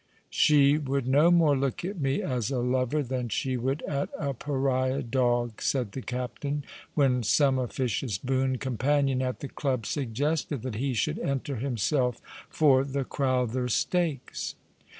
" She would no more look at me as a lover than she would at a Pariah dog," said the captain, when some oflScious boon companion at the club suggested that he should enter himself for the Crowther Stakes.